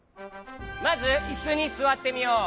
まずいすにすわってみよう。